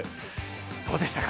どうでしたか？